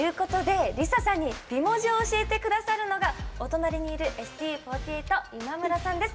ＬｉＳＡさんに美文字を教えてくださるのがお隣にいるＳＴＵ４８、今村さんです。